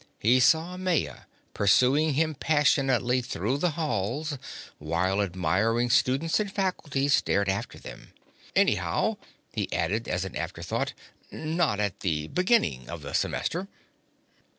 He saw Maya pursuing him passionately through the halls while admiring students and faculty stared after them. "Anyhow," he added as an afterthought, "not at the beginning of the semester."